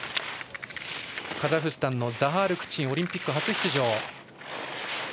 カザフスタンのザハール・クチンオリンピック初出場。